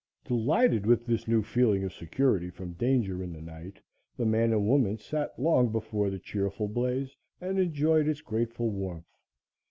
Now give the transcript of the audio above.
Delighted with this new feeling of security from danger in the night, the man and woman sat long before the cheerful blaze and enjoyed its grateful warmth.